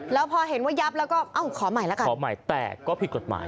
แล้วพอเห็นว่ายับแล้วก็เอ้าขอใหม่ละกันขอใหม่แต่ก็ผิดกฎหมาย